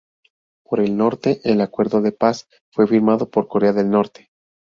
Por el norte, el acuerdo de paz fue firmado por Corea del Norte.